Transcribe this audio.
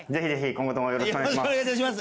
今後ともよろしくお願いします。